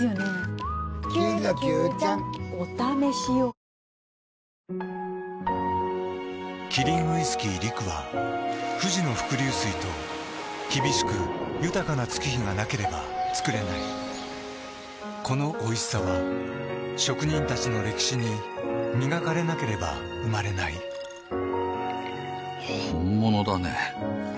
東京海上日動キリンウイスキー「陸」は富士の伏流水と厳しく豊かな月日がなければつくれないこのおいしさは職人たちの歴史に磨かれなければ生まれない本物だね。